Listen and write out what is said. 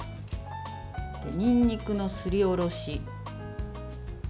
にんにくのすりおろし。